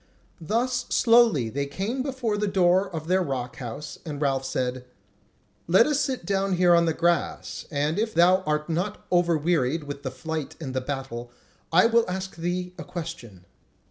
Thus slowly they came before the door of their rock house and Ralph said: "Let us sit down here on the grass, and if thou art not over wearied with the flight and the battle, I will ask thee a question."